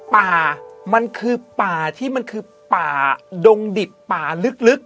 ป่ามันคือป่าที่มันคือป่าดงดิบป่าลึก